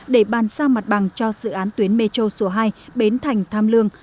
để bàn sang mặt bằng cho dự án tuyến metro số hai bến thành tham lương